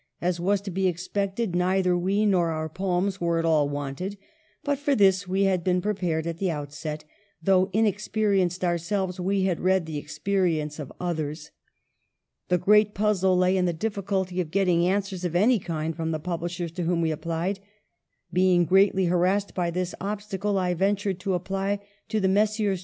As was to be expected neither we nor our poems were at all wanted ; but for this we had been prepared at the outset ; though inex perienced ourselves, we had read the experience of others. The great puzzle lay in the difficulty of getting answers of any kind from the pub lishers to whom we applied. Being greatly harassed by this obstacle, I ventured to apply to the Messrs.